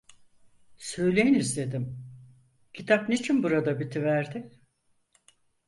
"Söyleyiniz" dedim, "kitap niçin burada bitiverdi?"